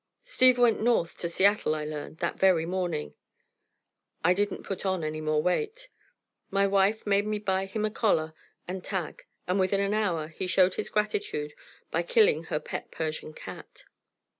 Steve went north to Seattle, I learned, that very morning. I didn't put on any more weight. My wife made me buy him a collar and tag, and within an hour he showed his gratitude by killing her pet Persian cat.